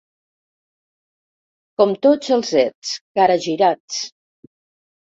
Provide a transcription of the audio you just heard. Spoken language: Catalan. Com tots els ets: caragirats.